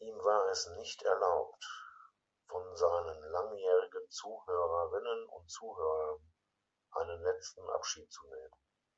Ihm war es nicht erlaubt, von seinen langjährigen Zuhörerinnen und Zuhörern einen letzten Abschied zu nehmen.